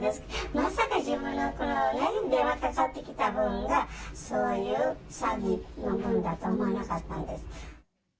まさか自分に電話がかかってきた分が、そういう詐欺のもんだと思わなかったんで。